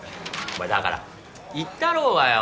お前だから言ったろうがよ。